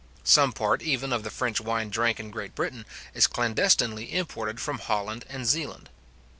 Some part even of the French wine drank in Great Britain, is clandestinely imported from Holland and Zealand.